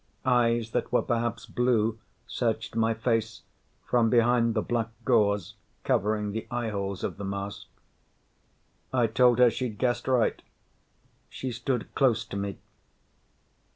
Eyes that were perhaps blue searched my face from behind the black gauze covering the eyeholes of the mask. I told her she'd guessed right. She stood close to me.